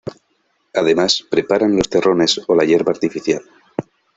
Además, preparan los terrones o la hierba artificial